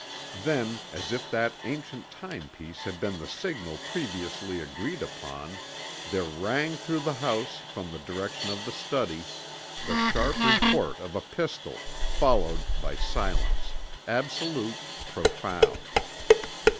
Then, as if that ancient time piece had been the signal previously agreed upon, there rang through the house from the direction of the study the sharp report of a pistol, followed by silence, absolute, profound!